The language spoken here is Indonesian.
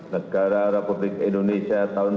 negara republik indonesia tahun seribu sembilan ratus empat puluh